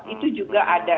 itu juga ada